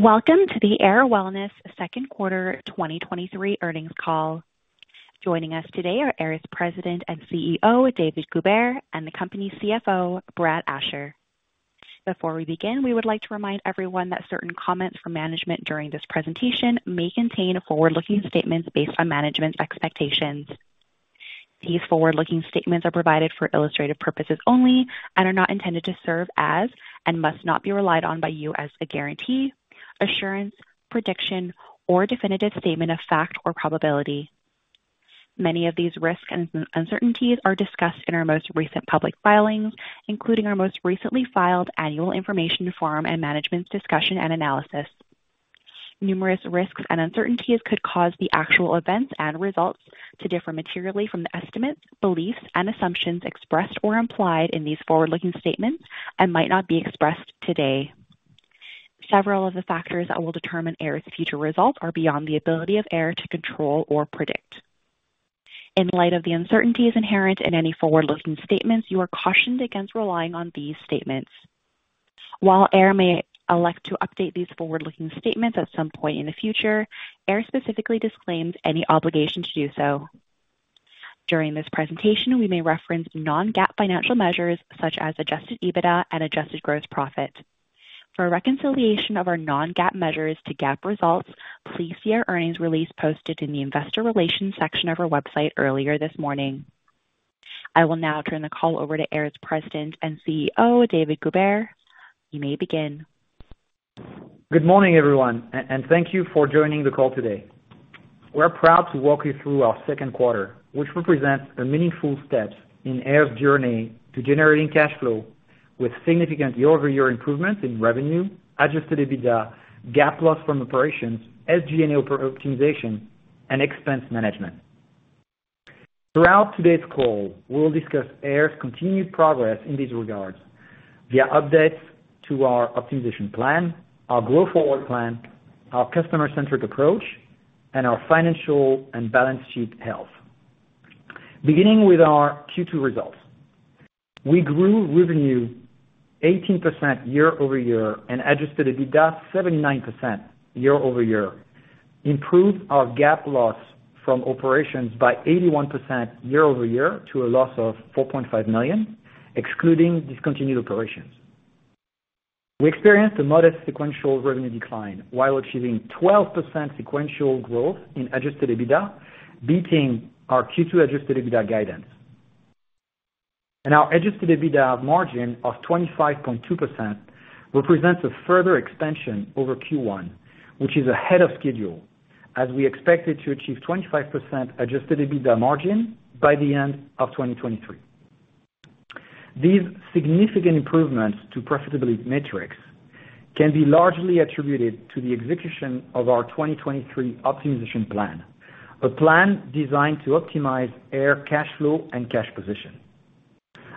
Welcome to the Ayr Wellness second quarter 2023 earnings call. Joining us today are Ayr's President and CEO, David Goubert, and the company's CFO, Brad Asher. Before we begin, we would like to remind everyone that certain comments from management during this presentation may contain forward-looking statements based on management's expectations. These forward-looking statements are provided for illustrative purposes only, are not intended to serve as, and must not be relied on by you as, a guarantee, assurance, prediction, or definitive statement of fact or probability. Many of these risks and uncertainties are discussed in our most recent public filings, including our most recently filed Annual Information Form and Management's Discussion and Analysis. Numerous risks and uncertainties could cause the actual events and results to differ materially from the estimates, beliefs, and assumptions expressed or implied in these forward-looking statements and might not be expressed today. Several of the factors that will determine Ayr's future results are beyond the ability of Ayr to control or predict. In light of the uncertainties inherent in any forward-looking statements, you are cautioned against relying on these statements. While Ayr may elect to update these forward-looking statements at some point in the future, Ayr specifically disclaims any obligation to do so. During this presentation, we may reference non-GAAP financial measures such as Adjusted EBITDA and Adjusted Gross Profit. For a reconciliation of our non-GAAP measures to GAAP results, please see our earnings release posted in the investor relations section of our website earlier this morning. I will now turn the call over to Ayr's President and CEO, David Goubert. You may begin. Good morning, everyone, and thank you for joining the call today. We're proud to walk you through our second quarter, which represents a meaningful step in Ayr's journey to generating cash flow with significant year-over-year improvements in revenue, Adjusted EBITDA, GAAP loss from operations, SG&A optimization, and expense management. Throughout today's call, we'll discuss Ayr's continued progress in these regards via updates to our optimization plan, our growth forward plan, our customer-centric approach, and our financial and balance sheet health. Beginning with our Q2 results. We grew revenue 18% year-over-year and Adjusted EBITDA 79% year-over-year, improved our GAAP loss from operations by 81% year-over-year to a loss of $4.5 million, excluding discontinued operations. We experienced a modest sequential revenue decline while achieving 12% sequential growth in Adjusted EBITDA, beating our Q2 Adjusted EBITDA guidance. Our Adjusted EBITDA margin of 25.2% represents a further expansion over Q1, which is ahead of schedule, as we expected to achieve 25% Adjusted EBITDA margin by the end of 2023. These significant improvements to profitability metrics can be largely attributed to the execution of our 2023 optimization plan, a plan designed to optimize Ayr cash flow and cash position.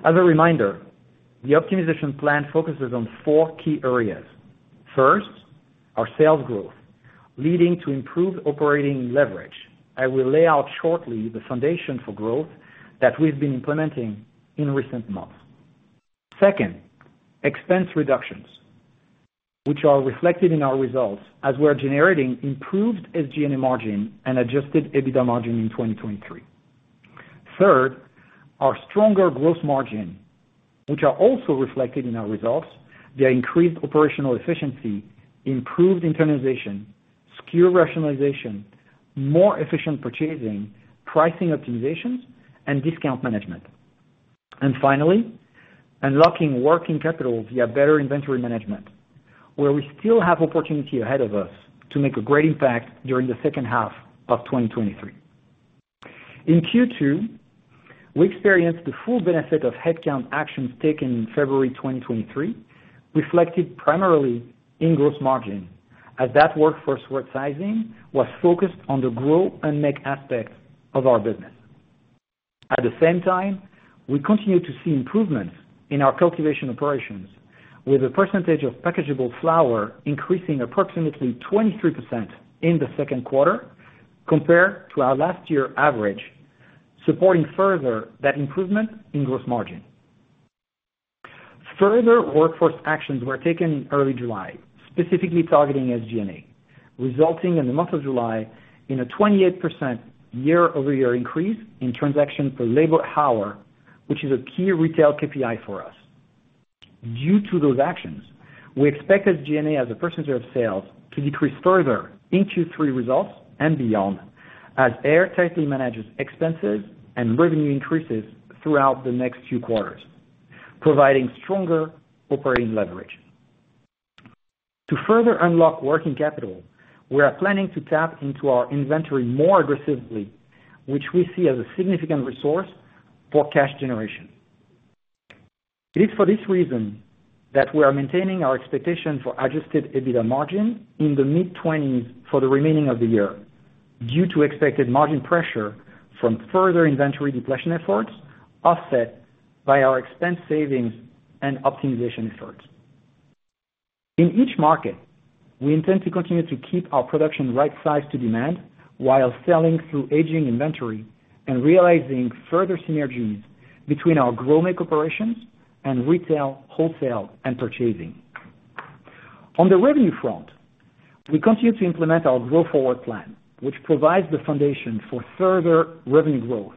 As a reminder, the optimization plan focuses on four key areas. First, our sales growth, leading to improved operating leverage. I will lay out shortly the foundation for growth that we've been implementing in recent months. Second, expense reductions, which are reflected in our results as we are generating improved SG&A margin and Adjusted EBITDA margin in 2023. Third, our stronger gross margin, which are also reflected in our results, via increased operational efficiency, improved internalization, SKU rationalization, more efficient purchasing, pricing optimizations, and discount management. Finally, unlocking working capital via better inventory management, where we still have opportunity ahead of us to make a great impact during the second half of 2023. In Q2, we experienced the full benefit of headcount actions taken in February 2023, reflected primarily in gross margin, as that workforce work sizing was focused on the grow and make aspect of our business. At the same time, we continue to see improvements in our cultivation operations, with a percentage of packageable flower increasing approximately 23% in the second quarter compared to our last year average, supporting further that improvement in gross margin. Further workforce actions were taken in early July, specifically targeting SG&A, resulting in the month of July in a 28% year-over-year increase in transaction per labor hour, which is a key retail KPI for us. Due to those actions, we expect SG&A as a percentage of sales to decrease further in Q3 results and beyond, as Ayr tightly manages expenses and revenue increases throughout the next few quarters, providing stronger operating leverage. To further unlock working capital, we are planning to tap into our inventory more aggressively, which we see as a significant resource for cash generation. It is for this reason that we are maintaining our expectation for Adjusted EBITDA margin in the mid-twenties for the remaining of the year, due to expected margin pressure from further inventory depletion efforts, offset by our expense savings and optimization efforts. In each market, we intend to continue to keep our production right-sized to demand while selling through aging inventory and realizing further synergies. between our grow make operations and retail, wholesale, and purchasing. On the revenue front, we continue to implement our growth forward plan, which provides the foundation for further revenue growth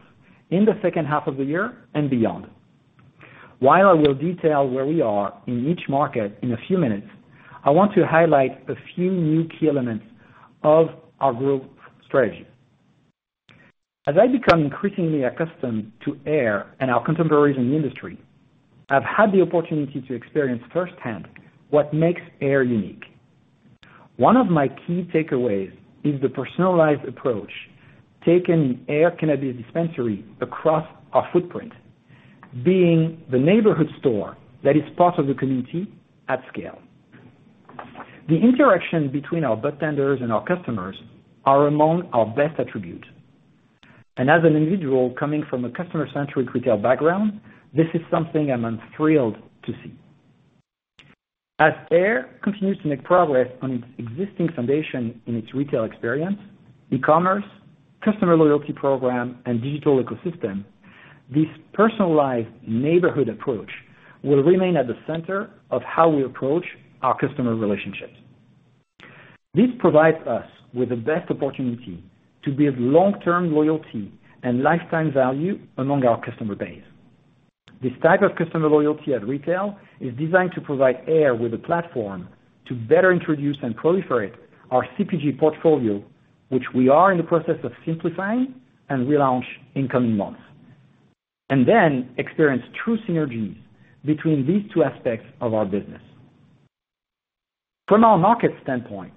in the second half of the year and beyond. While I will detail where we are in each market in a few minutes, I want to highlight a few new key elements of our growth strategy. As I become increasingly accustomed to Ayr and our contemporaries in the industry, I've had the opportunity to experience firsthand what makes Ayr unique. One of my key takeaways is the personalized approach taken in Ayr Cannabis Dispensary across our footprint, being the neighborhood store that is part of the community at scale. The interaction between our budtenders and our customers are among our best attributes, and as an individual coming from a customer-centric retail background, this is something I'm thrilled to see. As Ayr continues to make progress on its existing foundation in its retail experience, e-commerce, customer loyalty program, and digital ecosystem, this personalized neighborhood approach will remain at the center of how we approach our customer relationships. This provides us with the best opportunity to build long-term loyalty and lifetime value among our customer base. This type of customer loyalty at retail is designed to provide Ayr with a platform to better introduce and proliferate our CPG portfolio, which we are in the process of simplifying and relaunch in coming months, and then experience true synergies between these two aspects of our business. From our market standpoint,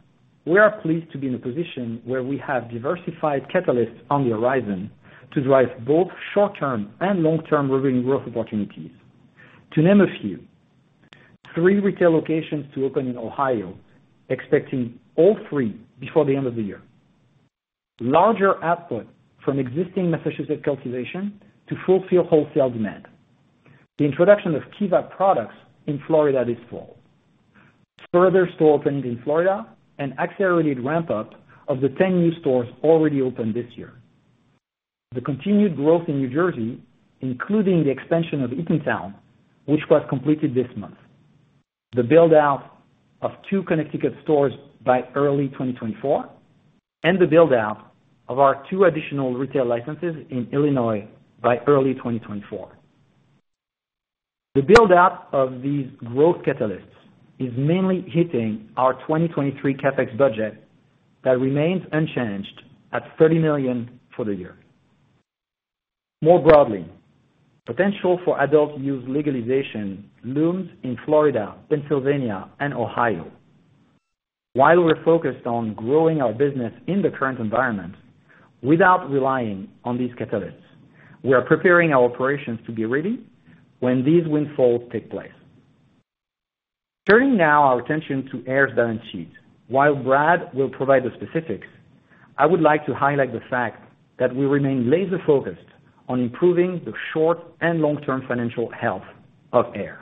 we are pleased to be in a position where we have diversified catalysts on the horizon to drive both short-term and long-term revenue growth opportunities. To name a few, three retail locations to open in Ohio, expecting all three before the end of the year. Larger output from existing Massachusetts cultivation to fulfill wholesale demand. The introduction of Kiva products in Florida this fall. Further store openings in Florida and accelerated ramp-up of the 10 new stores already opened this year. The continued growth in New Jersey, including the expansion of Eatontown, which was completed this month. The build-out of two Connecticut stores by early 2024, and the build-out of our two additional retail licenses in Illinois by early 2024. The build-out of these growth catalysts is mainly hitting our 2023 CapEx budget that remains unchanged at $30 million for the year. More broadly, potential for adult use legalization looms in Florida, Pennsylvania, and Ohio. While we're focused on growing our business in the current environment without relying on these catalysts, we are preparing our operations to be ready when these windfalls take place. Turning now our attention to Ayr's balance sheet. While Brad will provide the specifics, I would like to highlight the fact that we remain laser-focused on improving the short- and long-term financial health of Ayr.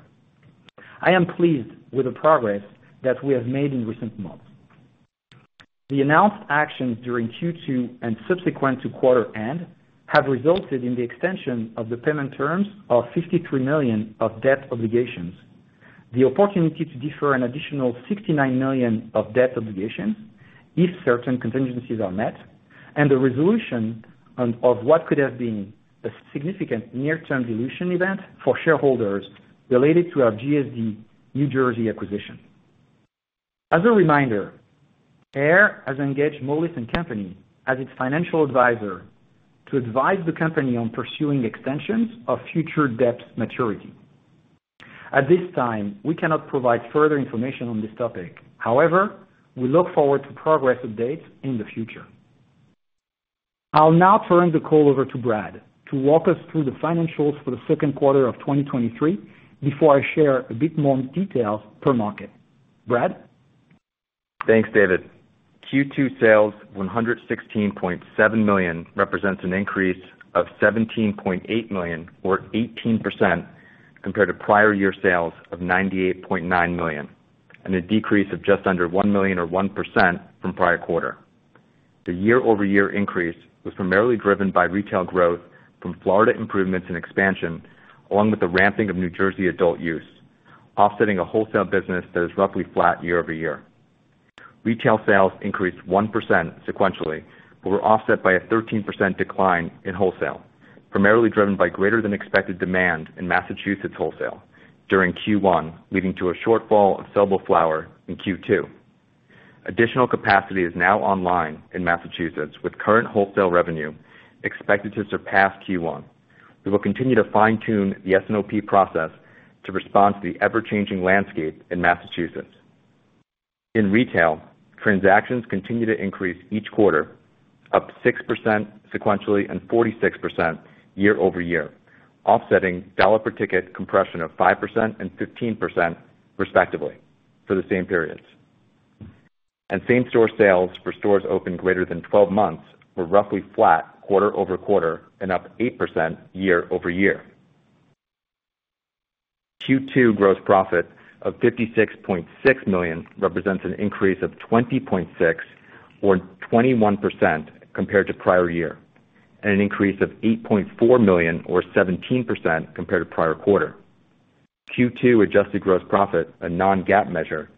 I am pleased with the progress that we have made in recent months. The announced actions during Q2 and subsequent to quarter end have resulted in the extension of the payment terms of $53 million of debt obligations, the opportunity to defer an additional $69 million of debt obligations if certain contingencies are met, and the resolution on... of what could have been a significant near-term dilution event for shareholders related to our GSD New Jersey LLC acquisition. As a reminder, Ayr has engaged Moelis & Company as its financial advisor to advise the company on pursuing extensions of future debt maturity. At this time, we cannot provide further information on this topic. We look forward to progress updates in the future. I'll now turn the call over to Brad to walk us through the financials for the second quarter of 2023, before I share a bit more detail per market. Brad? Thanks, David. Q2 sales, $116.7 million, represents an increase of $17.8 million, or 18%, compared to prior year sales of $98.9 million, a decrease of just under $1 million, or 1%, from prior quarter. The year-over-year increase was primarily driven by retail growth from Florida improvements and expansion, along with the ramping of New Jersey adult use, offsetting a wholesale business that is roughly flat year-over-year. Retail sales increased 1% sequentially, were offset by a 13% decline in wholesale, primarily driven by greater than expected demand in Massachusetts wholesale during Q1, leading to a shortfall of sellable flower in Q2. Additional capacity is now online in Massachusetts, with current wholesale revenue expected to surpass Q1. We will continue to fine-tune the S&OP process to respond to the ever-changing landscape in Massachusetts. In retail, transactions continue to increase each quarter, up 6% sequentially and 46% year-over-year, offsetting dollar per ticket compression of 5% and 15% respectively for the same periods. Same-store sales for stores open greater than 12 months were roughly flat quarter-over-quarter and up 8% year-over-year. Q2 gross profit of $56.6 million represents an increase of $20.6 million or 21% compared to prior year, and an increase of $8.4 million or 17% compared to prior quarter. Q2 adjusted gross profit, a non-GAAP measure,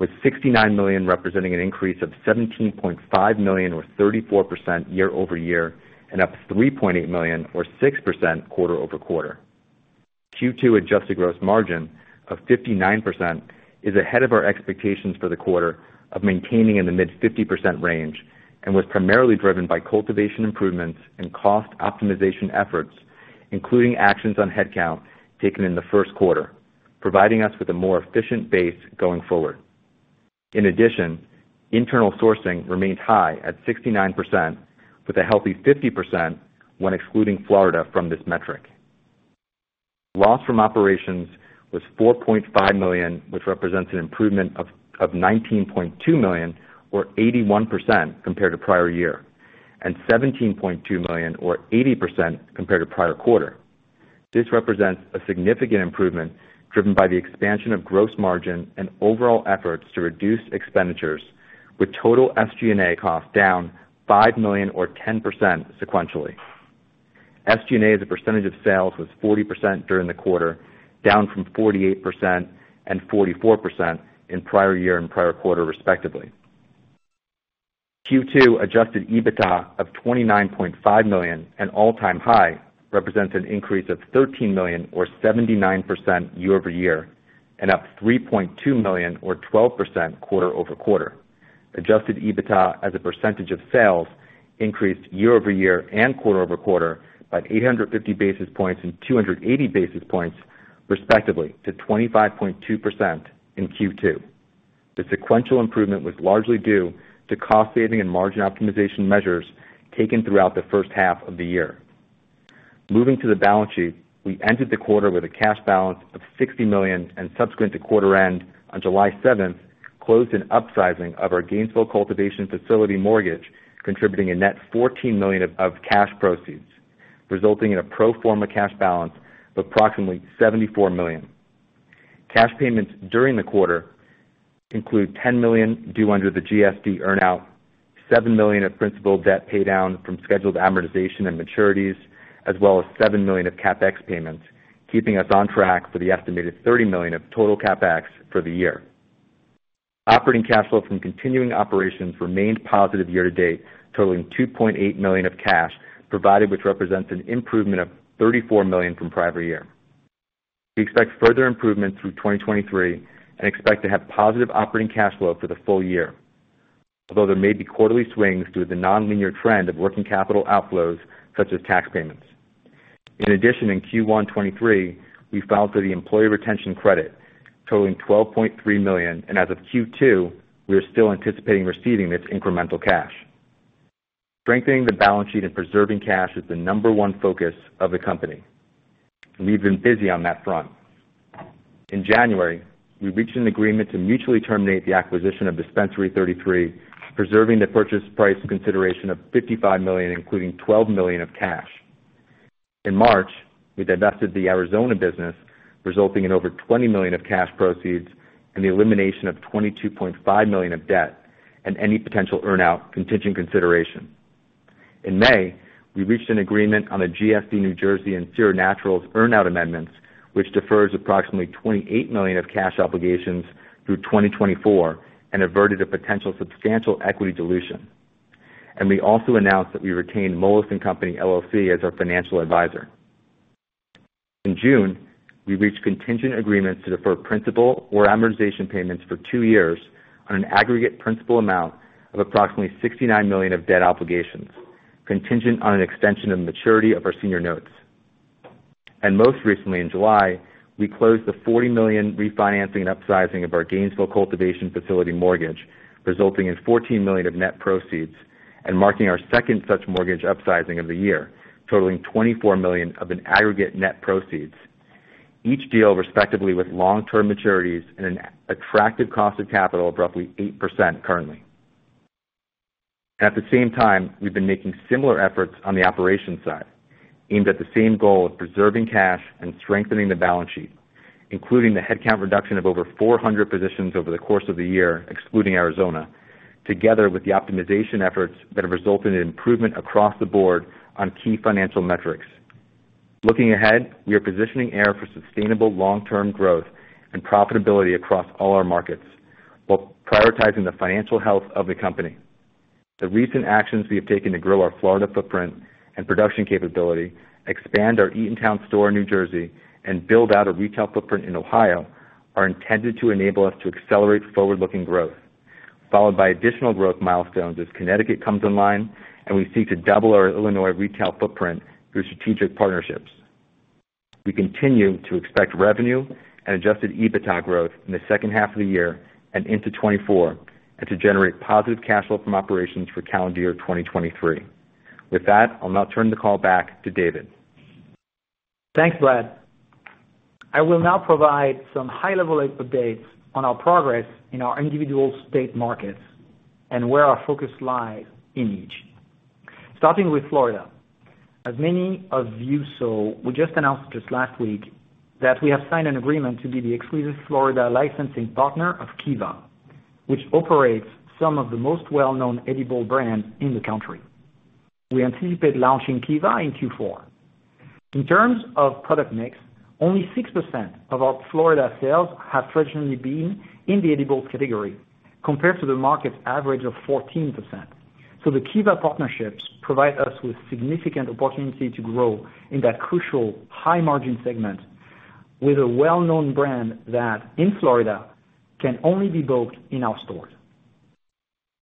with $69 million, representing an increase of $17.5 million or 34% year-over-year, and up $3.8 million or 6% quarter-over-quarter. Q2 Adjusted Gross Margin of 59% is ahead of our expectations for the quarter of maintaining in the mid 50% range, and was primarily driven by cultivation improvements and cost optimization efforts, including actions on headcount taken in the 1st quarter, providing us with a more efficient base going forward. In addition, internal sourcing remains high at 69%, with a healthy 50% when excluding Florida from this metric. Loss from operations was $4.5 million, which represents an improvement of $19.2 million or 81% compared to prior year, and $17.2 million or 80% compared to prior quarter. This represents a significant improvement driven by the expansion of gross margin and overall efforts to reduce expenditures, with total SG&A costs down $5 million or 10% sequentially. SG&A as a percentage of sales, was 40% during the quarter, down from 48% and 44% in prior year and prior quarter, respectively. Q2 Adjusted EBITDA of $29.5 million, an all-time high, represents an increase of $13 million or 79% year-over-year, and up $3.2 million or 12% quarter-over-quarter. Adjusted EBITDA as a percentage of sales increased year-over-year and quarter-over-quarter by 850 basis points and 280 basis points, respectively, to 25.2% in Q2. The sequential improvement was largely due to cost-saving and margin optimization measures taken throughout the first half of the year. Moving to the balance sheet, we ended the quarter with a cash balance of $60 million. Subsequent to quarter end on July 7th, closed an upsizing of our Gainesville cultivation facility mortgage, contributing a net $14 million of cash proceeds, resulting in a pro forma cash balance of approximately $74 million. Cash payments during the quarter include $10 million due under the GSD earn-out, $7 million of principal debt paydown from scheduled amortization and maturities, as well as $7 million of CapEx payments, keeping us on track for the estimated $30 million of total CapEx for the year. Operating cash flow from continuing operations remained positive year-to-date, totaling $2.8 million of cash provided, which represents an improvement of $34 million from prior year. We expect further improvement through 2023. Expect to have positive operating cash flow for the full year, although there may be quarterly swings due to the nonlinear trend of working capital outflows, such as tax payments. In addition, in Q1 2023, we filed for the Employee Retention Credit, totaling $12.3 million, and as of Q2, we are still anticipating receiving this incremental cash. Strengthening the balance sheet and preserving cash is the number 1 focus of the company. We've been busy on that front. In January, we reached an agreement to mutually terminate the acquisition of Dispensary 33, preserving the purchase price consideration of $55 million, including $12 million of cash. In March, we divested the Arizona business, resulting in over $20 million of cash proceeds and the elimination of $22.5 million of debt and any potential earn-out contingent consideration. In May, we reached an agreement on the GSD New Jersey, and Sira Naturals earn-out amendments, which defers approximately $28 million of cash obligations through 2024 and averted a potential substantial equity dilution. We also announced that we retained Moelis & Company LLC as our financial advisor. In June, we reached contingent agreements to defer principal or amortization payments for two years on an aggregate principal amount of approximately $69 million of debt obligations, contingent on an extension of maturity of our senior notes. Most recently, in July, we closed the $40 million refinancing and upsizing of our Gainesville cultivation facility mortgage, resulting in $14 million of net proceeds and marking our second such mortgage upsizing of the year, totaling $24 million of an aggregate net proceeds, each deal respectively, with long-term maturities and an attractive cost of capital of roughly 8% currently. At the same time, we've been making similar efforts on the operations side, aimed at the same goal of preserving cash and strengthening the balance sheet, including the headcount reduction of over 400 positions over the course of the year, excluding Arizona, together with the optimization efforts that have resulted in improvement across the board on key financial metrics. Looking ahead, we are positioning Ayr for sustainable long-term growth and profitability across all our markets, while prioritizing the financial health of the company. The recent actions we have taken to grow our Florida footprint and production capability, expand our Eatontown store in New Jersey, and build out a retail footprint in Ohio, are intended to enable us to accelerate forward-looking growth, followed by additional growth milestones as Connecticut comes online, and we seek to double our Illinois retail footprint through strategic partnerships. We continue to expect revenue and Adjusted EBITDA growth in the second half of the year and into 2024, and to generate positive cash flow from operations for calendar year 2023. With that, I'll now turn the call back to David. Thanks, Brad. I will now provide some high-level updates on our progress in our individual state markets and where our focus lies in each. Starting with Florida. As many of you saw, we just announced just last week that we have signed an agreement to be the exclusive Florida licensing partner of Kiva, which operates some of the most well-known edible brands in the country. We anticipate launching Kiva in Q4. In terms of product mix, only 6% of our Florida sales have traditionally been in the edibles category, compared to the market's average of 14%. The Kiva partnerships provide us with significant opportunity to grow in that crucial high-margin segment with a well-known brand that, in Florida, can only be bought in our stores.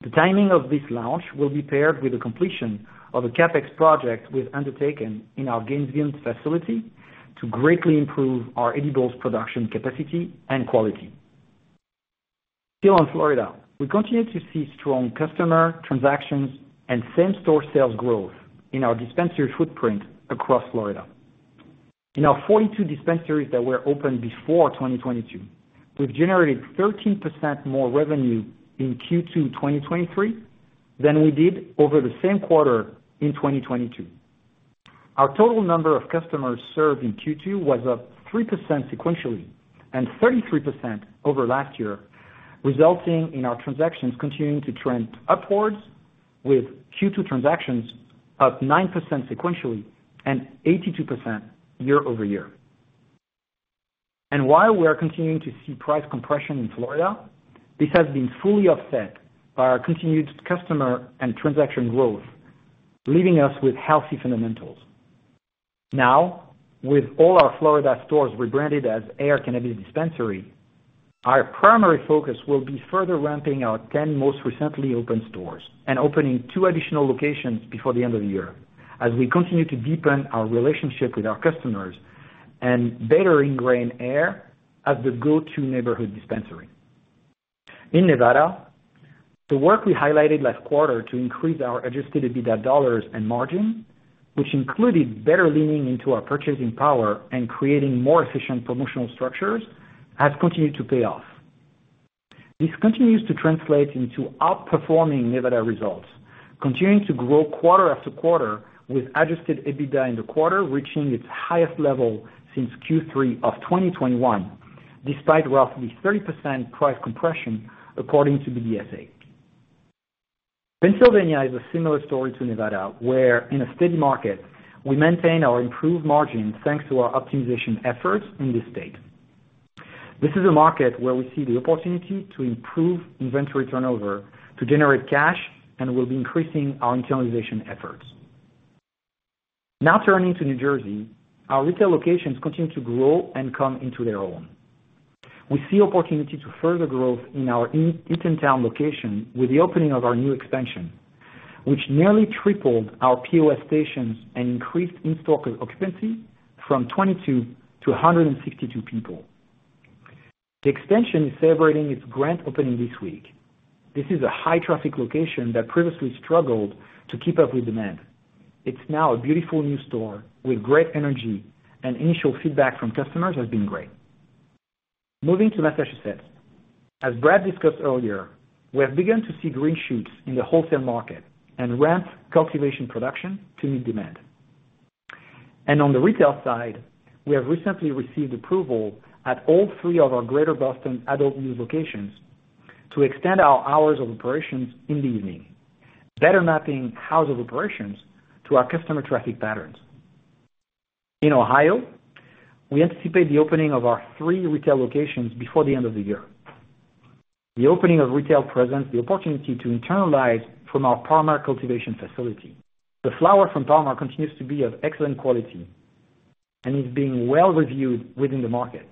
The timing of this launch will be paired with the completion of a CapEx project we've undertaken in our Gainesville facility to greatly improve our edibles production capacity and quality. Still on Florida, we continue to see strong customer transactions and same-store sales growth in our dispensary footprint across Florida. In our 42 dispensaries that were opened before 2022, we've generated 13% more revenue in Q2 2023 than we did over the same quarter in 2022. Our total number of customers served in Q2 was up 3% sequentially, and 33% over last year, resulting in our transactions continuing to trend upwards, with Q2 transactions up 9% sequentially and 82% year-over-year. While we are continuing to see price compression in Florida, this has been fully offset by our continued customer and transaction growth, leaving us with healthy fundamentals. With all our Florida stores rebranded as AYR Cannabis Dispensary, our primary focus will be further ramping our 10 most recently opened stores and opening 2 additional locations before the end of the year, as we continue to deepen our relationship with our customers and better ingrain Ayr as the go-to neighborhood dispensary. In Nevada, the work we highlighted last quarter to increase our adjusted EBITDA dollars and margin, which included better leaning into our purchasing power and creating more efficient promotional structures, has continued to pay off. This continues to translate into outperforming Nevada results, continuing to grow quarter after quarter, with adjusted EBITDA in the quarter reaching its highest level since Q3 of 2021, despite roughly 30% price compression, according to BDSA. Pennsylvania is a similar story to Nevada, where in a steady market, we maintain our improved margins, thanks to our optimization efforts in this state. This is a market where we see the opportunity to improve inventory turnover to generate cash and will be increasing our internalization efforts. Turning to New Jersey, our retail locations continue to grow and come into their own. We see opportunity to further growth in our Eatontown location with the opening of our new expansion, which nearly tripled our POS stations and increased in-store occupancy from 22 to 162 people. The extension is celebrating its grand opening this week. This is a high-traffic location that previously struggled to keep up with demand. It's now a beautiful new store with great energy, and initial feedback from customers has been great. Moving to Massachusetts. As Brad discussed earlier, we have begun to see green shoots in the wholesale market and ramp cultivation production to meet demand. On the retail side, we have recently received approval at all three of our Greater Boston adult use locations to extend our hours of operations in the evening, better mapping hours of operations to our customer traffic patterns. In Ohio, we anticipate the opening of our three retail locations before the end of the year. The opening of retail presents the opportunity to internalize from our Palmer cultivation facility. The flower from Palmer continues to be of excellent quality and is being well reviewed within the market.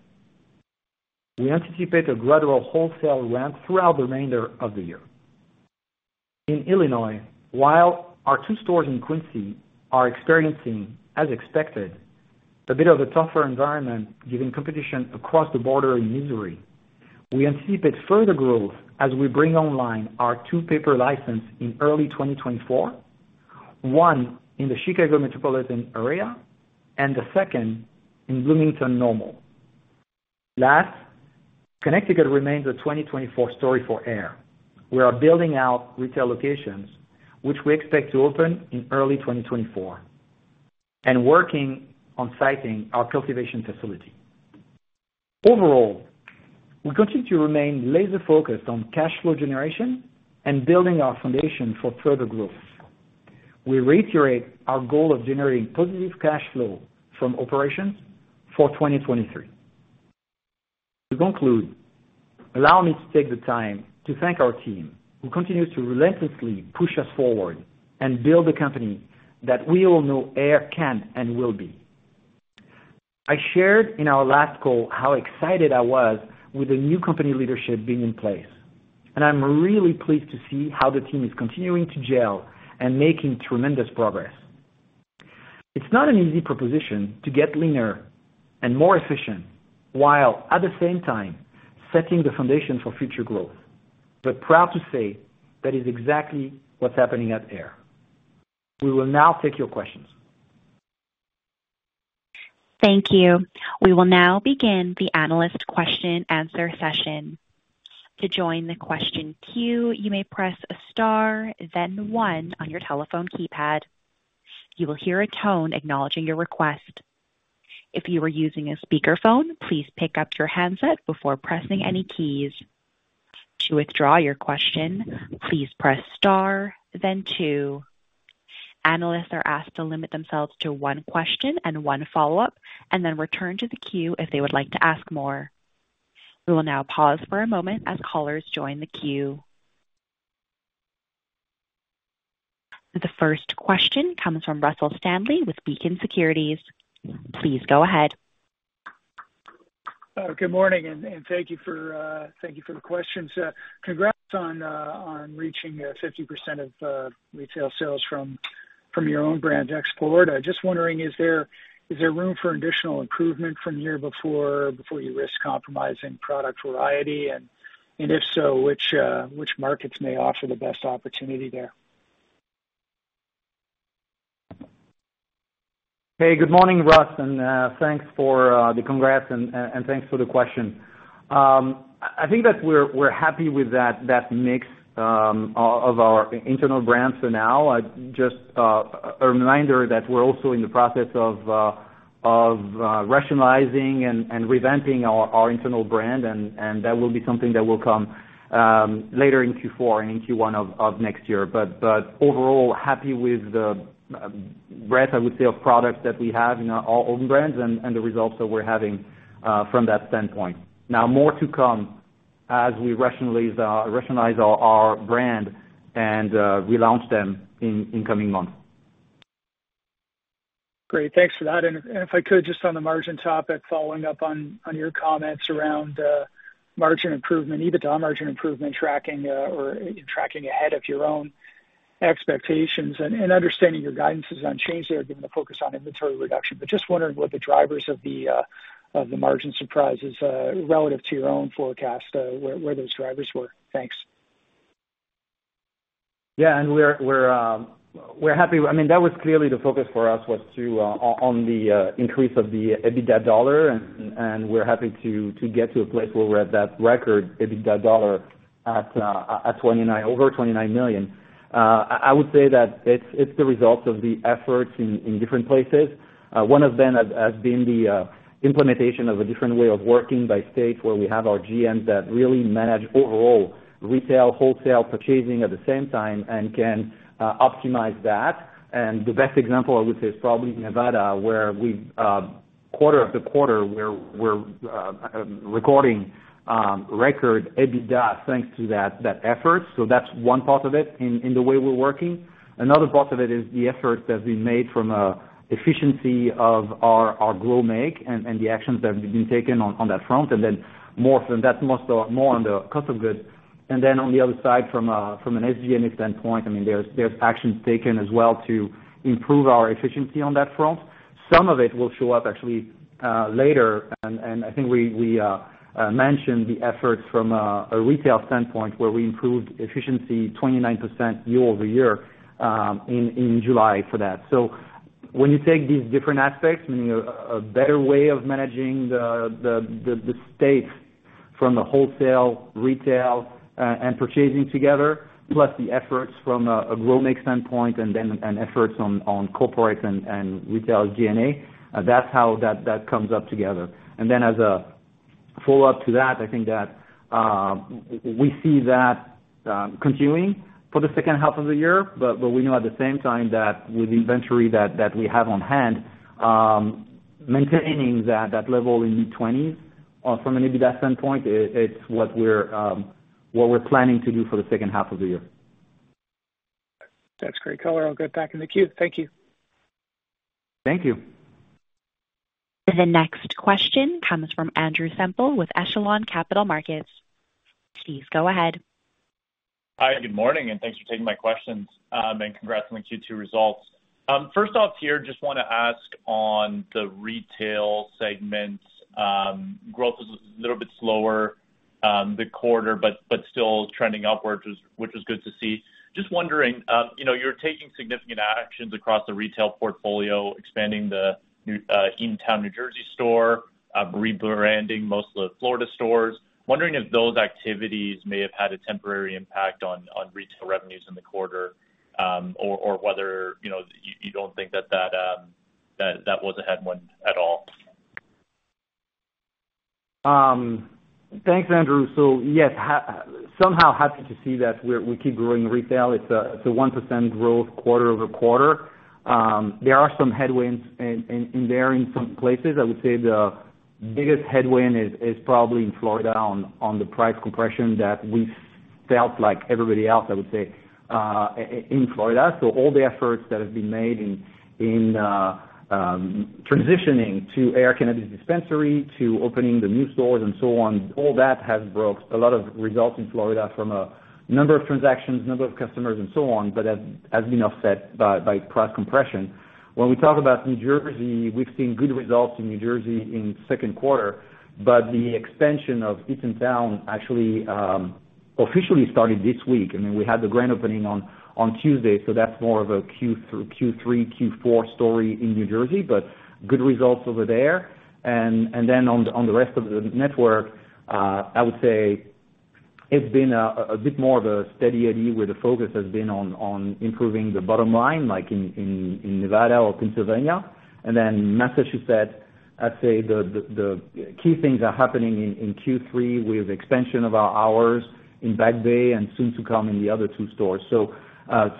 We anticipate a gradual wholesale ramp throughout the remainder of the year. In Illinois, while our two stores in Quincy are experiencing, as expected, a bit of a tougher environment, given competition across the border in Missouri, we anticipate further growth as we bring online our two paper licenses in early 2024, one in the Chicago metropolitan area and the second in Bloomington-Normal. Last, Connecticut remains a 2024 story for Ayr. We are building out retail locations, which we expect to open in early 2024, and working on siting our cultivation facility. Overall, we continue to remain laser-focused on cash flow generation and building our foundation for further growth. We reiterate our goal of generating positive cash flow from operations for 2023. To conclude, allow me to take the time to thank our team, who continues to relentlessly push us forward and build the company that we all know Ayr can and will be. I shared in our last call how excited I was with the new company leadership being in place, and I'm really pleased to see how the team is continuing to gel and making tremendous progress. It's not an easy proposition to get leaner and more efficient, while at the same time, setting the foundation for future growth. We're proud to say that is exactly what's happening at Ayr. We will now take your questions. Thank you. We will now begin the analyst question answer session. To join the question queue, you may press a star, then one on your telephone keypad. You will hear a tone acknowledging your request. If you are using a speakerphone, please pick up your handset before pressing any keys. To withdraw your question, please press star, then two. Analysts are asked to limit themselves to one question and one follow-up, and then return to the queue if they would like to ask more. We will now pause for a moment as callers join the queue. The first question comes from Russell Stanley with Beacon Securities. Please go ahead. Good morning, and thank you for the questions. Congrats on reaching 50% of retail sales from your own brand export. I just wondering, is there, is there room for additional improvement from the year before, before you risk compromising product variety? If so, which markets may offer the best opportunity there? Hey, good morning, Russ, and thanks for the congrats and thanks for the question. I think that we're, we're happy with that, that mix of our internal brands for now. I just, a reminder that we're also in the process of rationalizing and revamping our internal brand, and that will be something that will come later in Q4 and in Q1 of next year. Overall, happy with the breadth, I would say, of products that we have in our own brands and the results that we're having from that standpoint. Now, more to come as we rationalize, rationalize our brand and relaunch them in coming months. Great. Thanks for that. If I could, just on the margin topic, following up on your comments around margin improvement, EBITDA margin improvement, tracking or tracking ahead of your own expectations and understanding your guidance is unchanged there, given the focus on inventory reduction. Just wondering what the drivers of the of the margin surprises relative to your own forecast, where those drivers were? Thanks. Yeah, and we're happy. I mean, that was clearly the focus for us, was to on, on the increase of the EBITDA dollar, and we're happy to get to a place where we're at that record EBITDA dollar at $29 million, over $29 million. I would say that it's the result of the efforts in different places. One of them has been the implementation of a different way of working by states where we have our GMs that really manage overall retail, wholesale, purchasing at the same time and can optimize that. The best example I would say is probably Nevada, where we've quarter after quarter, we're recording record EBITDA, thanks to that effort. That's one part of it in the way we're working. Another part of it is the efforts that we made from efficiency of our, our grow make and, and the actions that have been taken on, on that front, more from that, most more on the cost of goods. On the other side, from a, from an SG&A standpoint, I mean, there's, there's actions taken as well to improve our efficiency on that front. Some of it will show up actually later. I think we, we mentioned the efforts from a, a retail standpoint, where we improved efficiency 29% year-over-year in July for that. When you take these different aspects, meaning a, a better way of managing the, the, the, the states from the wholesale, retail, and purchasing together, plus the efforts from a, a grow make standpoint and efforts on, on corporate and, and retail G&A, that's how that, that comes up together. As a follow-up to that, I think that we see that continuing for the second half of the year. But we know at the same time that with the inventory that, that we have on hand, maintaining that, that level in mid-20s from an EBITDA standpoint, it, it's what we're what we're planning to do for the second half of the year. That's great color. I'll get back in the queue. Thank you. Thank you. The next question comes from Andrew Semple with Echelon Capital Markets. Please go ahead. Hi, good morning, and thanks for taking my questions. Congrats on the Q2 results. First off here, just want to ask on the retail segment, growth was a little bit slower the quarter, but still trending upwards, which is good to see. Just wondering, you know, you're taking significant actions across the retail portfolio, expanding the new Eatontown, New Jersey store, rebranding most of the Florida stores. Wondering if those activities may have had a temporary impact on retail revenues in the quarter, or whether, you know, you don't think that was a headwind at all? Thanks, Andrew. Yes, somehow happy to see that we're, we keep growing retail. It's a, it's a 1% growth quarter-over-quarter. There are some headwinds in, in, in there in some places. I would say the biggest headwind is, is probably in Florida on, on the price compression that we felt like everybody else, I would say, in Florida. All the efforts that have been made in, in transitioning to AYR Cannabis Dispensary, to opening the new stores and so on, all that has brought a lot of results in Florida from a number of transactions, number of customers and so on, but has, has been offset by, by price compression. We talk about New Jersey, we've seen good results in New Jersey in second quarter, but the expansion of Eatontown actually officially started this week. I mean, we had the grand opening on, on Tuesday. That's more of a Q3, Q4 story in New Jersey. Good results over there. Then on the rest of the network, I would say it's been a bit more of a steady eddy, where the focus has been on improving the bottom line, like in Nevada or Pennsylvania. Then Massachusetts, I'd say the key things are happening in Q3 with expansion of our hours in Back Bay and soon to come in the other two stores.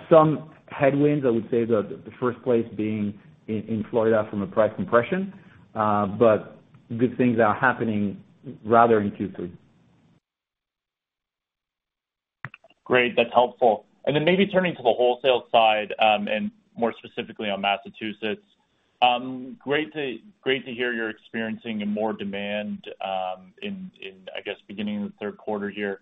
Some headwinds, I would say, the first place being in Florida from a price compression. Good things are happening rather in Q3. Great, that's helpful. Then maybe turning to the wholesale side, and more specifically on Massachusetts. Great to hear you're experiencing more demand, in, I guess, beginning of the third quarter here.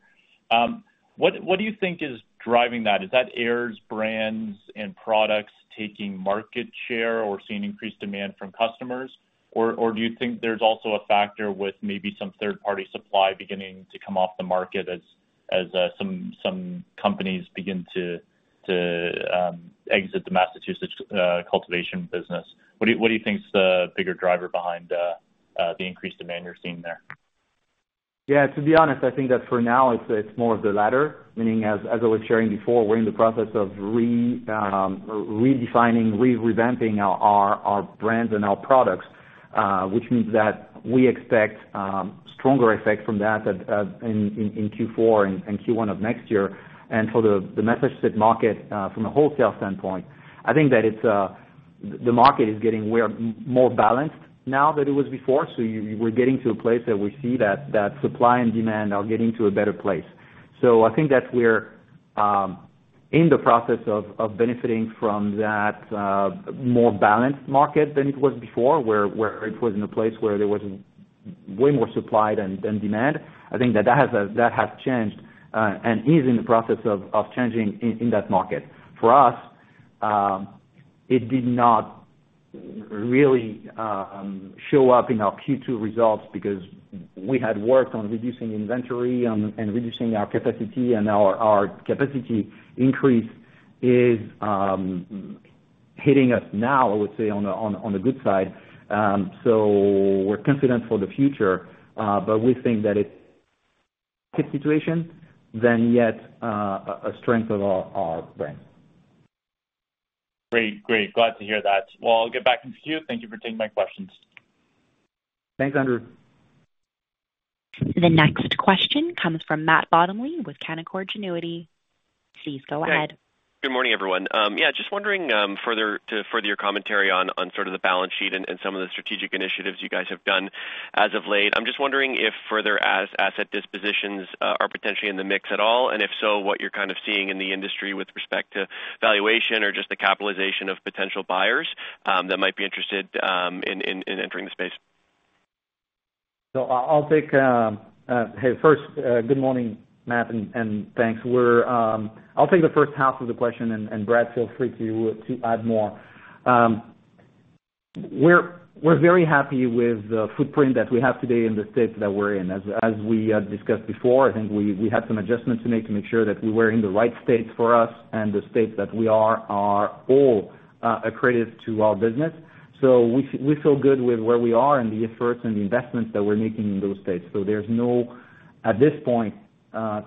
What, what do you think is driving that? Is that Ayr's brands and products taking market share or seeing increased demand from customers? Or do you think there's also a factor with maybe some third-party supply beginning to come off the market as some companies begin to exit the Massachusetts cultivation business? What do you think is the bigger driver behind the increased demand you're seeing there? Yeah, to be honest, I think that for now, it's, it's more of the latter, meaning as, as I was sharing before, we're in the process of redefining, revamping our, our brands and our products, which means that we expect stronger effect from that, in Q4 and Q1 of next year. The Massachusetts market, from a wholesale standpoint, I think that it's. The market is getting more balanced now than it was before. We're getting to a place that we see that, that supply and demand are getting to a better place. I think that we're in the process of benefiting from that, more balanced market than it was before, where, where it was in a place where there was way more supply than, than demand. I think that that has, that has changed, and is in the process of, of changing in, in that market. For us, it did not really, show up in our Q2 results because we had worked on reducing inventory and, and reducing our capacity, and our, our capacity increase is, hitting us now, I would say, on the, on, on the good side. We're confident for the future, we think that it's situation than yet, a strength of our, our brand. Great. Great. Glad to hear that. Well, I'll get back in queue. Thank you for taking my questions. Thanks, Andrew. The next question comes from Matt Bottomley with Canaccord Genuity. Please go ahead. Good morning, everyone. Yeah, just wondering, further, to further your commentary on, on sort of the balance sheet and, and some of the strategic initiatives you guys have done as of late. I'm just wondering if further asset dispositions are potentially in the mix at all, and if so, what you're kind of seeing in the industry with respect to valuation or just the capitalization of potential buyers, that might be interested, in entering the space? Hey, first, good morning, Matt, and thanks. I'll take the first half of the question, and Brad, feel free to add more. We're very happy with the footprint that we have today in the states that we're in. As we discussed before, I think we had some adjustments to make to make sure that we were in the right states for us, and the states that we are, are all accretive to our business. We feel good with where we are and the efforts and the investments that we're making in those states. There's no, at this point,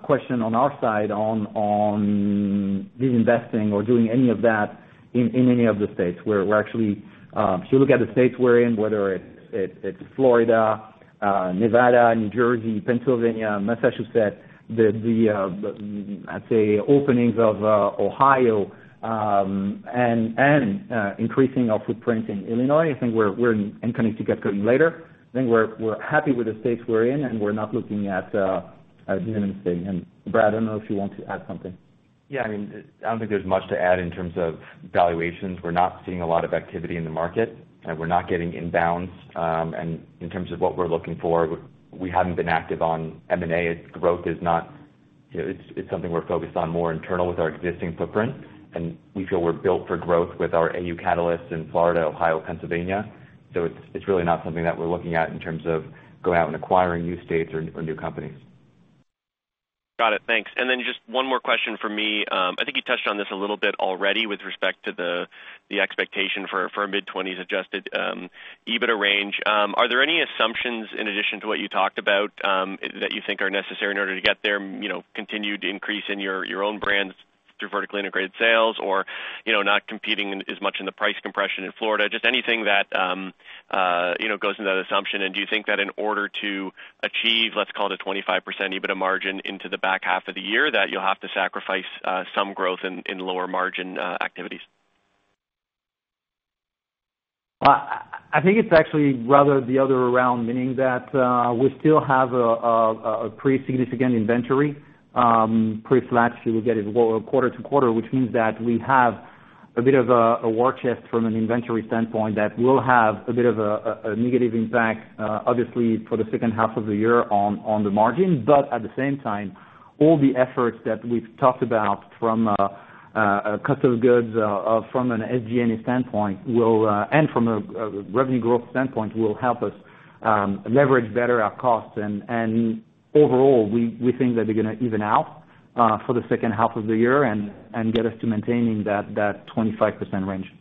question on our side on disinvesting or doing any of that in any of the states. We're, we're actually, if you look at the states we're in, whether it's, it's, it's Florida, Nevada, New Jersey, Pennsylvania, Massachusetts, the, the, the, I'd say, openings of Ohio, and, and, increasing our footprint in Illinois, I think we're, we're in coming together later. I think we're, we're happy with the states we're in, and we're not looking at, at any state. Brad, I don't know if you want to add something? Yeah, I mean, I don't think there's much to add in terms of valuations. We're not seeing a lot of activity in the market, and we're not getting inbounds. In terms of what we're looking for, we haven't been active on M&A. Its growth is, you know, it's, it's something we're focused on more internal with our existing footprint, and we feel we're built for growth with our AU catalysts in Florida, Ohio, Pennsylvania. It's, it's really not something that we're looking at in terms of going out and acquiring new states or, or new companies. Got it. Thanks. Then just one more question for me. I think you touched on this a little bit already with respect to the, the expectation for, for mid-20s adjusted EBITDA range. Are there any assumptions in addition to what you talked about, that you think are necessary in order to get there, you know, continued increase in your, your own brands through vertically integrated sales or, you know, not competing in- as much in the price compression in Florida? Just anything that, you know, goes into that assumption. Do you think that in order to achieve, let's call it a 25% EBITDA margin into the back half of the year, that you'll have to sacrifice, some growth in, in lower margin, activities? lly rather the other way around, meaning that we still have a pretty significant inventory, pretty flat as you will get it quarter-over-quarter, which means that we have a bit of a war chest from an inventory standpoint, that will have a bit of a negative impact, obviously, for the second half of the year on the margin. At the same time, all the efforts that we've talked about from cost of goods, from an SG&A standpoint will, and from a revenue growth standpoint, will help us leverage better our costs. Overall, we think that they're going to even out for the second half of the year and get us to maintaining that 25% range.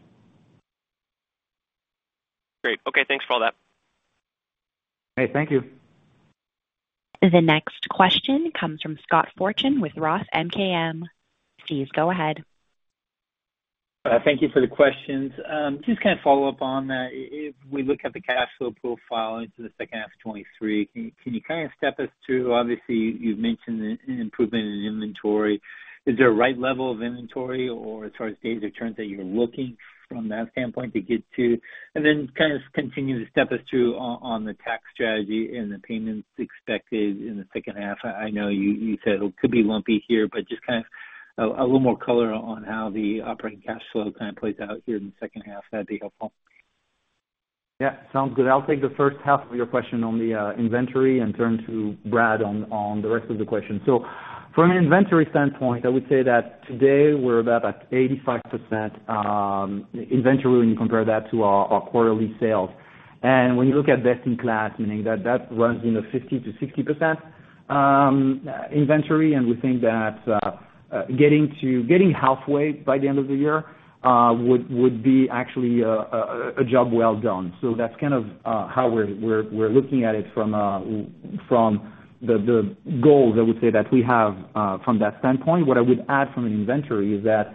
Great. Okay, thanks for all that. Hey, thank you. The next question comes from Scott Fortune with ROTH MKM. Please go ahead. Thank you for the questions. Just kind of follow up on that. If we look at the cash flow profile into the second half of 2023, can you kind of step us through? Obviously, you've mentioned an improvement in inventory. Is there a right level of inventory or as far as days of turns that you're looking from that standpoint to get to? Then kind of continue to step us through on the tax strategy and the payments expected in the second half. I know you said it could be lumpy here, but just kind of a little more color on how the operating cash flow kind of plays out here in the second half, that'd be helpful. Yeah, sounds good. I'll take the first half of your question on the inventory and turn to Brad on, on the rest of the question. From an inventory standpoint, I would say that today we're about at 85% inventory when you compare that to our, our quarterly sales. When you look at best in class, meaning that that runs in the 50%-60% inventory, and we think that getting halfway by the end of the year would, would be actually a, a, a job well done. That's kind of how we're, we're, we're looking at it from, from the, the goal, I would say, that we have from that standpoint. What I would add from an inventory is that,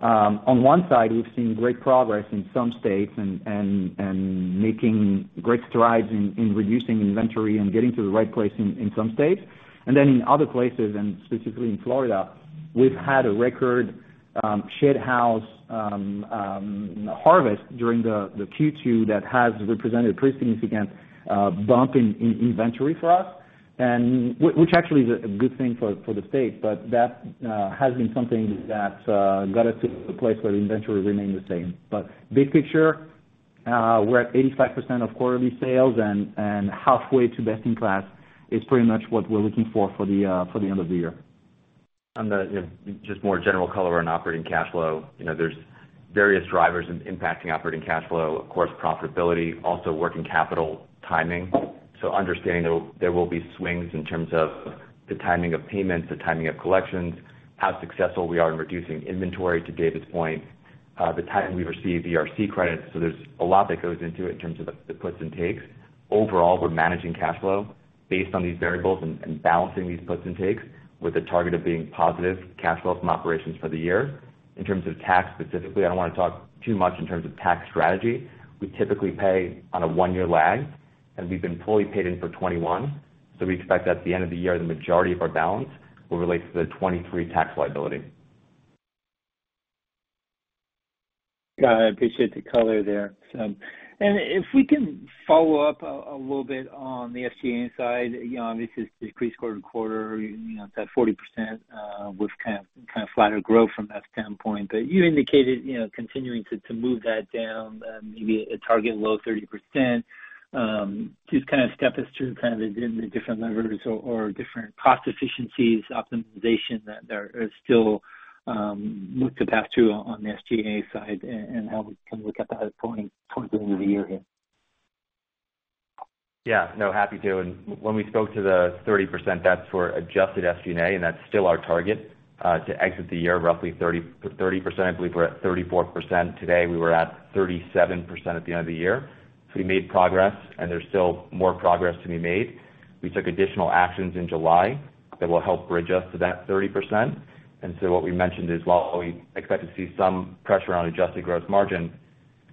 on one side, we've seen great progress in some states and making great strides in reducing inventory and getting to the right place in some states. Then in other places, and specifically in Florida, we've had a record shade house harvest during the Q2 that has represented a pretty significant bump in inventory for us, which actually is a good thing for the state. That has been something that got us to a place where inventory remained the same. Big picture, we're at 85% of quarterly sales, and halfway to best in class is pretty much what we're looking for for the end of the year. On the, you know, just more general color on operating cash flow, you know, there's various drivers impacting operating cash flow, of course, profitability, also working capital timing. Understanding there will, there will be swings in terms of the timing of payments, the timing of collections, how successful we are in reducing inventory, to David's point, the timing we receive ERC credits. There's a lot that goes into it in terms of the puts and takes. Overall, we're managing cash flow based on these variables and, and balancing these puts and takes with a target of being positive cash flow from operations for the year. In terms of tax, specifically, I don't want to talk too much in terms of tax strategy. We typically pay on a one-year lag, and we've been fully paid in for 2021, so we expect at the end of the year, the majority of our balance will relate to the 2023 tax liability. Got it. I appreciate the color there. If we can follow up a little bit on the SG&A side. You know, obviously, it decreased quarter and quarter, you know, that 40%, with kind of flatter growth from that standpoint. You indicated, you know, continuing to move that down, maybe a target low of 30%. Just kind of step us through kind of the different levers or different cost efficiencies, optimization that there are still look to pass through on the SG&A side and how we can look at that going towards the end of the year here. Yeah. No, happy to. When we spoke to the 30%, that's for adjusted SG&A, and that's still our target, to exit the year, roughly 30%, 30%. I believe we're at 34% today. We were at 37% at the end of the year. We made progress, and there's still more progress to be made. We took additional actions in July that will help bridge us to that 30%. What we mentioned is, while we expect to see some pressure on Adjusted Gross Margin,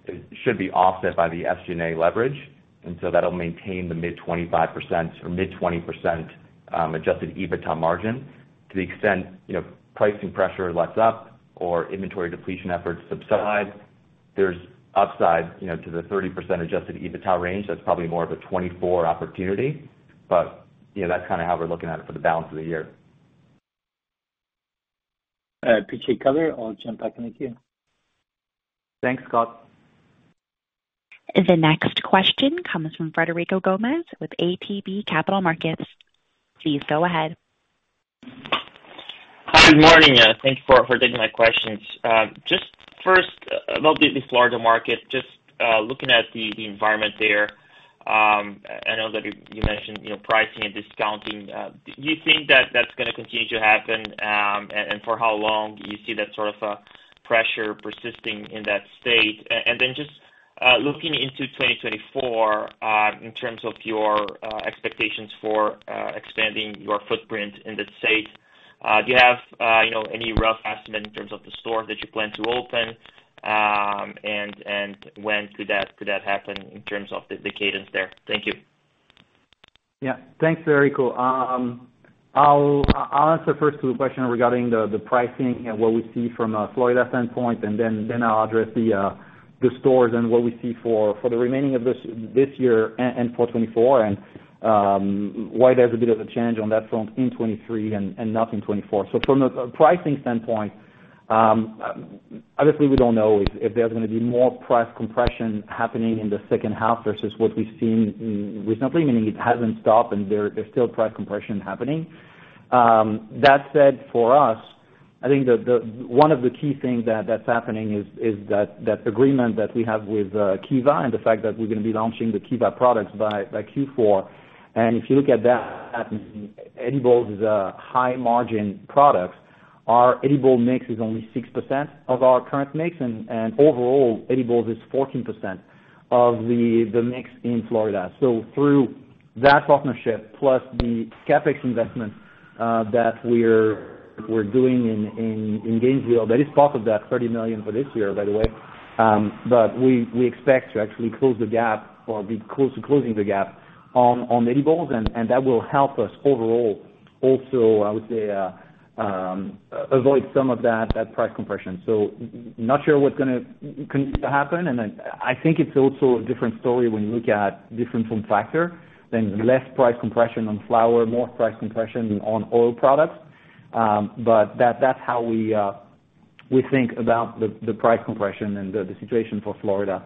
it should be offset by the SG&A leverage, and so that'll maintain the mid-25% or mid-20%, Adjusted EBITDA margin. To the extent, you know, pricing pressure lets up or inventory depletion efforts subside, there's upside, you know, to the 30% Adjusted EBITDA range. That's probably more of a 2024 opportunity, but, you know, that's kind of how we're looking at it for the balance of the year. I appreciate the color. I'll jump back in the queue. Thanks, Scott. The next question comes from Frederico Gomes with ATB Capital Markets. Please go ahead. Hi, good morning. Thank you for, for taking my questions. Just first, about the Florida market, just looking at the, the environment there, I know that you, you mentioned, you know, pricing and discounting. Do you think that that's gonna continue to happen, and, and for how long do you see that sort of, pressure persisting in that state? Just looking into 2024, in terms of your, expectations for, expanding your footprint in the state, do you have, you know, any rough estimate in terms of the store that you plan to open? And, and when could that, could that happen in terms of the, the cadence there? Thank you. Yeah. Thanks, Federico. I'll answer first to the question regarding the pricing and what we see from a Florida standpoint, and then I'll address the stores and what we see for the remaining of this year and for 2024, and why there's a bit of a change on that front in 2023 and not in 2024. From a pricing standpoint. Obviously, we don't know if there's gonna be more price compression happening in the second half versus what we've seen recently, meaning it hasn't stopped, and there's still price compression happening. That said, for us, I think one of the key things that's happening is that agreement that we have with Kiva and the fact that we're gonna be launching the Kiva products by Q4. If you look at that, edibles is a high margin product. Our edible mix is only 6% of our current mix, and overall, edibles is 14% of the mix in Florida. Through that partnership, plus the CapEx investment, that we're doing in Gainesville, that is part of that $30 million for this year, by the way. We expect to actually close the gap or be close to closing the gap on edibles, and that will help us overall. Also, I would say, avoid some of that, that price compression. Not sure what's gonna continue to happen. Then I think it's also a different story when you look at different form factor, then less price compression on flower, more price compression on oil products. That, that's how we think about the price compression and the situation for Florida.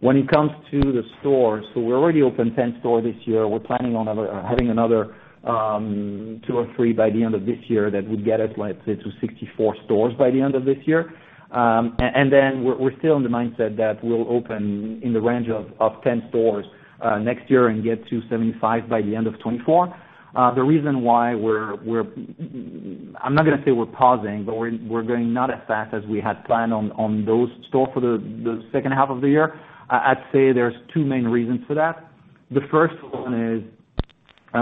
When it comes to the stores, we already opened 10 stores this year. We're planning on having another two or three by the end of this year. That would get us, let's say, to 64 stores by the end of this year. Then we're still in the mindset that we'll open in the range of 10 stores next year and get to 75 by the end of 2024. The reason why we're, I'm not gonna say we're pausing, but we're going not as fast as we had planned on those stores for the second half of the year. I'd say there's two main reasons for that. The first one is,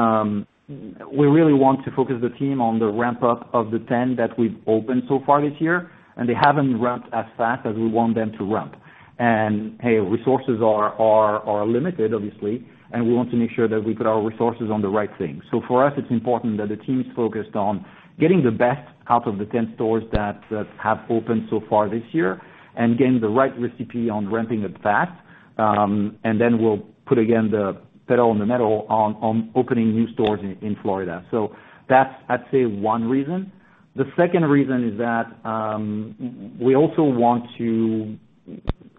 we really want to focus the team on the ramp-up of the 10 that we've opened so far this year, and they haven't ramped as fast as we want them to ramp. Hey, resources are, are, are limited, obviously, and we want to make sure that we put our resources on the right thing. For us, it's important that the team's focused on getting the best out of the 10 stores that have opened so far this year and getting the right recipe on ramping up fast. Then we'll put again, the pedal on the metal on opening new stores in Florida. That's, I'd say, one reason. The second reason is that, we also want to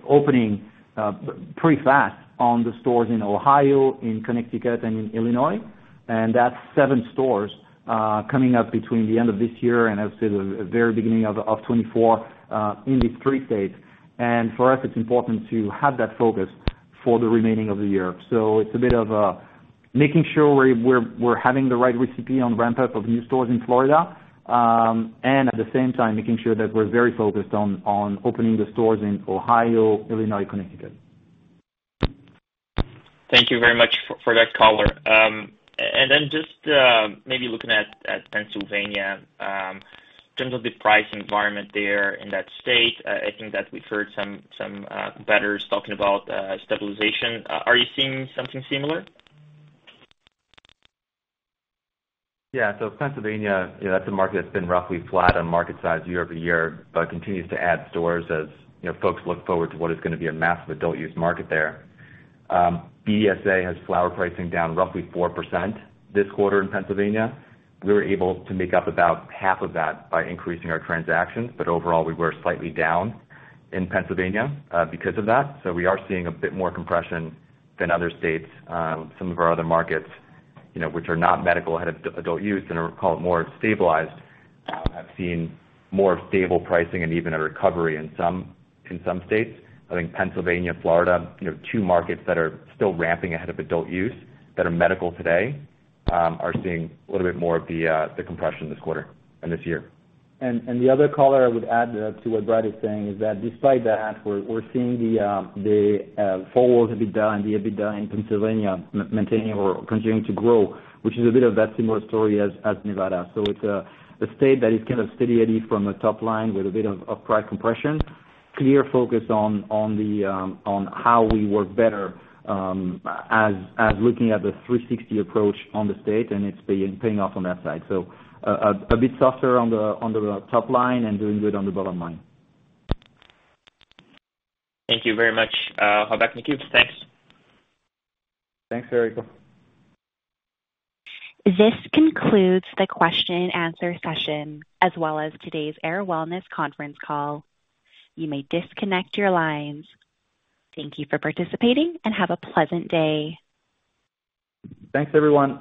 opening pretty fast on the stores in Ohio, in Connecticut, and in Illinois, and that's seven stores coming up between the end of this year and I would say, the very beginning of, 2024, in these three states. For us, it's important to have that focus for the remaining of the year. It's a bit of, making sure we're, we're, we're having the right recipe on ramp-up of new stores in Florida, and at the same time making sure that we're very focused on, on opening the stores in Ohio, Illinois, Connecticut. Thank you very much for that color. Then just maybe looking at, at Pennsylvania, in terms of the pricing environment there in that state, I think that we've heard some, some competitors talking about stabilization. Are you seeing something similar? Pennsylvania, you know, that's a market that's been roughly flat on market size year-over-year, but continues to add stores as, you know, folks look forward to what is gonna be a massive adult use market there. BESA has flower pricing down roughly 4% this quarter in Pennsylvania. Overall, we were slightly down in Pennsylvania because of that. We are seeing a bit more compression than other states. Some of our other markets, you know, which are not medical ahead of adult use, and I would call it more stabilized, have seen more stable pricing and even a recovery in some, in some states. I think Pennsylvania, Florida, you know, two markets that are still ramping ahead of adult use, that are medical today, are seeing a little bit more of the, the compression this quarter and this year. The other color I would add to what Brad is saying is that despite that, we're seeing the forward EBITDA and the EBITDA in Pennsylvania maintaining or continuing to grow, which is a bit of that similar story as Nevada. It's a state that is kind of steady from a top line with a bit of price compression. Clear focus on the on how we work better as looking at the 360 approach on the state, and it's paying, paying off on that side. A bit softer on the top line and doing good on the bottom line. Thank you very much, Goubert and Brad. Thanks. Thanks, Eric. This concludes the question and answer session, as well as today's Ayr Wellness conference call. You may disconnect your lines. Thank you for participating, and have a pleasant day. Thanks, everyone.